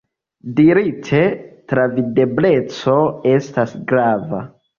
Dirite, travidebleco estas grava.